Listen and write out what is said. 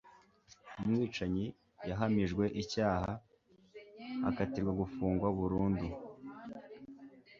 umwicanyi yahamijwe icyaha akatirwa gufungwa burundu